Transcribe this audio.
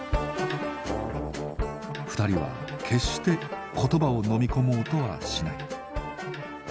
２人は決して言葉をのみこもうとはしない。